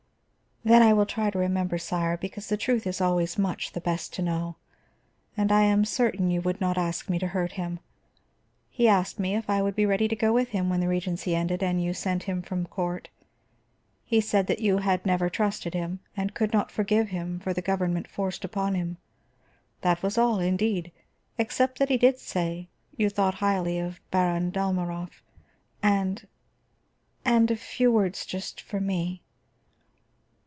"Then I will try to remember, sire, because the truth is always much the best to know. And I am certain you would not ask me to hurt him. He asked me if I would be ready to go with him when the regency ended and you sent him from court. He said that you had never trusted him, and could not forgive him for the government forced upon him. That was all, indeed. Except that he did say you thought highly of Baron Dalmorov; and, and, a few words just for me."